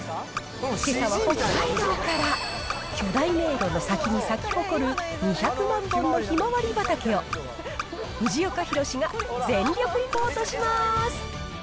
けさは北海道から、巨大迷路の先に咲き誇る２００万本のひまわり畑を、藤岡弘、が全力リポートします。